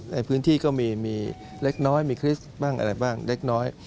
ในพื้นที่ก็มีเล็กน้อยมีคริสต์บ้างอะไรบ้างเล็กน้อย